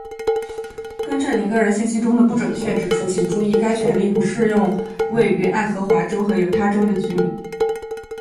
更正您个人信息中的不准确之处，请注意，该权利不适用位于爱荷华州和犹他州的居民；